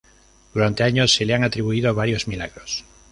Durante años se le han atribuido varios milagros.